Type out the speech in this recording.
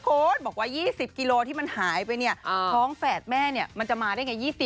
โค้ดบอกว่า๒๐กิโลที่มันหายไปท้องแฝดแม่มันจะมาได้ไง๒๐